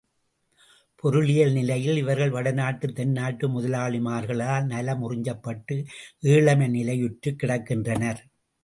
பொருளியல் நிலையில் இவர்கள் வடநாட்டுத் தென்னாட்டு முதலாளிமார்களால் நலம் உறிஞ்சப்பட்டு ஏழைமை நிலையுற்றுக் கிடக்கின்றனர்.